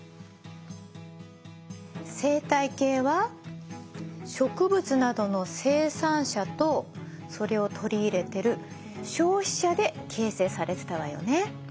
生態系は植物などの生産者とそれを取り入れてる消費者で形成されてたわよね。